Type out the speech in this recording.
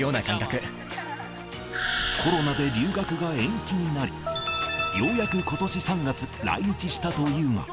コロナで留学が延期になり、ようやくことし３月、来日したというが。